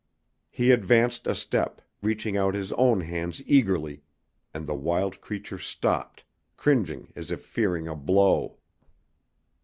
He advanced a step, reaching out his own hands eagerly, and the wild creature stopped, cringing as if fearing a blow.